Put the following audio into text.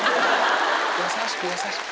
優しく、優しく。